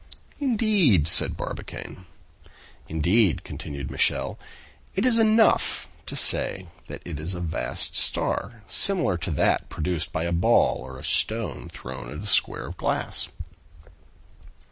"Indeed?" said Barbicane. "Indeed," continued Michel. "It is enough to say that it is a vast star, similar to that produced by a ball or a stone thrown at a square of glass!"